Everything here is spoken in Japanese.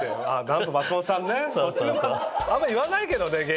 あんま言わないけどね